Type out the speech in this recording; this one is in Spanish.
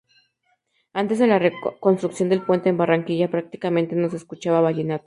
Antes de la construcción del puente, en Barranquilla prácticamente no se escuchaba vallenato.